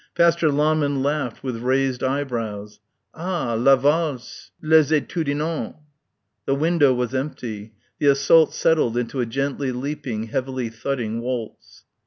Pastor Lahmann laughed with raised eyebrows. "Ah! la valse ... les étudiants." The window was empty. The assault settled into a gently leaping, heavily thudding waltz.